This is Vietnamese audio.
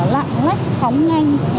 lạng lách khóng nhanh